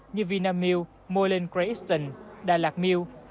như vinamilk moline crayston đà lạt milk